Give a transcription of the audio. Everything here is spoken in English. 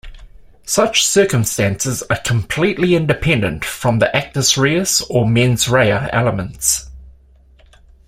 Such circumstances are completely independent from the "actus reus" or "mens rea" elements.